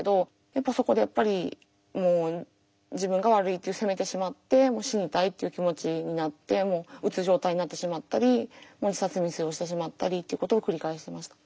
やっぱそこでやっぱりもう自分が悪いってせめてしまってもう死にたいっていう気持ちになってうつ状態になってしまったり自殺未遂をしてしまったりっていうことを繰り返しました。